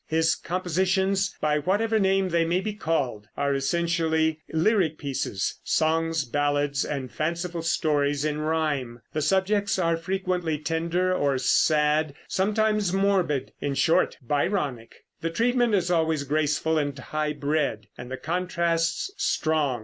His compositions, by whatever name they may be called, are essentially lyric pieces, songs, ballads and fanciful stories in rhyme. The subjects are frequently tender or sad, sometimes morbid in short, Byronic. The treatment is always graceful and high bred, and the contrasts strong.